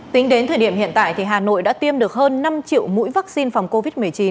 tính đến thời điểm hiện tại hà nội đã tiêm được hơn năm triệu mũi vaccine phòng covid một mươi chín